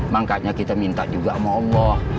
makanya kita minta juga sama allah